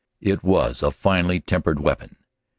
It was a finely tempered weapon.